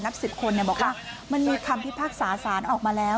นับ๑๐คนบอกว่ามันมีคำพิพากษาสารออกมาแล้ว